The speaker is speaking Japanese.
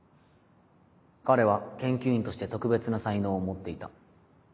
彼は研究員として特別な才能を持っていた。